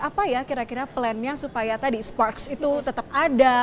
apa ya kira kira plannya supaya tadi sports itu tetap ada